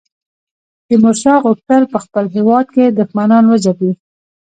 تیمورشاه غوښتل په خپل هیواد کې دښمنان وځپي.